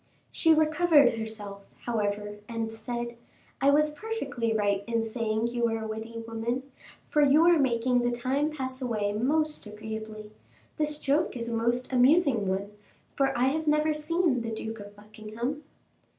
She recovered herself, however, and said, "I was perfectly right in saying you were a witty woman, for you are making the time pass away most agreeably. This joke is a most amusing one, for I have never seen the Duke of Buckingham."